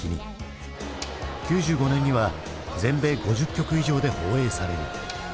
９５年には全米５０局以上で放映される。